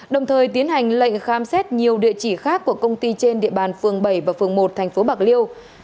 đồng thời tiến hành lệnh khám xét nhiều địa chỉ khác của công ty trên địa bàn phường bảy và phường một thành phố bạc liêu